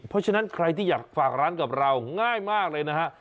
เพราะฉะนั้นใครที่อยากฝากร้านกับเราง่ายมากเลยนะฮะ